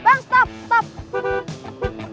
bang stop turun